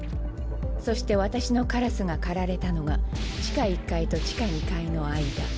そして私のカラスが狩られたのが地下１階と地下２階の間。